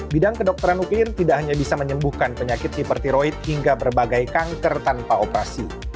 bidang kedokteran ukin tidak hanya bisa menyembuhkan penyakit hipertiroid hingga berbagai kanker tanpa operasi